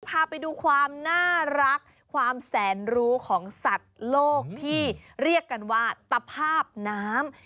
พาไปดูความน่ารักความแสนรู้ของสัตว์โลกที่เรียกกันว่าตภาพน้ำ